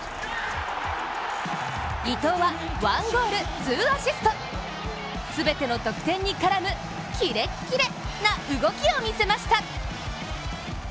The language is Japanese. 伊東はワンゴールツーアシスト、全ての得点に絡むキレッキレな動きを見せました。